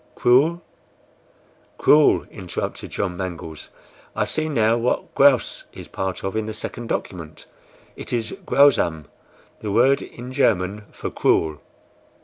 CRUEL!" "CRUEL!" interrupted John Mangles. "I see now what GRAUS is part of in the second document. It is GRAUSAM, the word in German for CRUEL!"